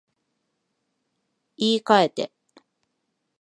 言い換えて